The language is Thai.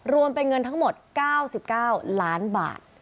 รวมเป็นเงินทั้งหมด๙๙ล้านบาท